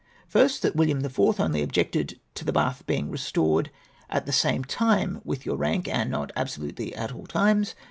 " First, that William IV. only objected to the Batli being restored at the same time with your rank, and not absolutely at all times.